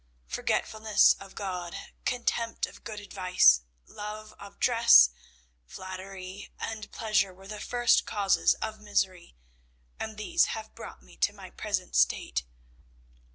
Forgetfulness of God, contempt of good advice, love of dress, flattery, and pleasure were the first causes of misery, and these have brought me to my present state.